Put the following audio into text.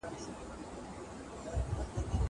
کېدای سي چپنه ګنده وي.